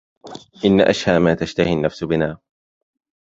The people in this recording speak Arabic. إن أشهى ما تشتهى النفس بنا